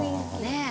ねえ。